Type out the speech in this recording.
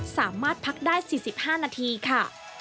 สามารถพักได้๔๕นาทีค่ะ